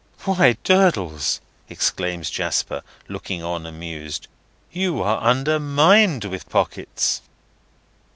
"Why, Durdles!" exclaims Jasper, looking on amused, "you are undermined with pockets!"